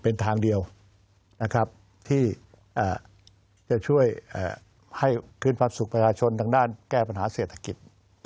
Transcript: เป็นทางเดียวนะครับที่จะช่วยให้คืนความสุขประชาชนทางด้านแก้ปัญหาเศรษฐกิจ